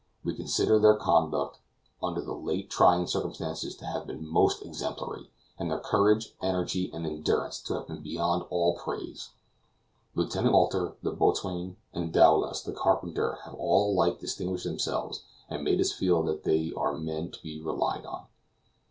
We consider their conduct, under the late trying circumstances, to have been most exemplary, and their courage, energy, and endurance to have been beyond all praise. Lieutenant Walter, the boatswain, and Dowlas the carpenter have all alike distinguished themselves, and made us feel that they are men to be relied on.